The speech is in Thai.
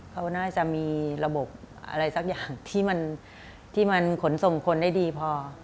เขาน่าจะมีระบบอะไรสักอย่างที่มันขนส่งคนได้ดีพอ